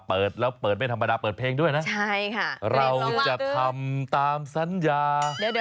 เปิดแล้วเปิดไม่ธรรมดาเปิดเพลงด้วยนะเราจะทำตามสัญญา